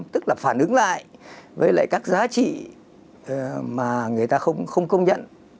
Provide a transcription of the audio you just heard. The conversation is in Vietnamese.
tức là phản ứng lại với lại các giá trị mà người ta không công nhận